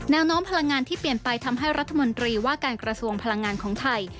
น้องพลังงานที่เปลี่ยนไปทำให้รัฐมนตรีว่าการกระทรวงพลังงานของไทย